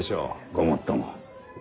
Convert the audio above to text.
ごもっとも。